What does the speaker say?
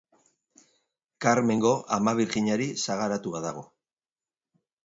Karmengo Ama Birjinari sagaratua dago.